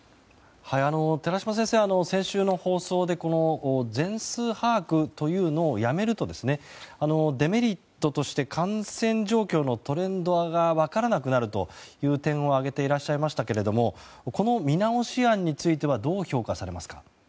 寺嶋先生、先週の放送で全数把握というのをやめるとデメリットとして感染状況のトレンドが分からなくなるという点を挙げてらっしゃいましたがこの見直し案についてはどう評価されますか？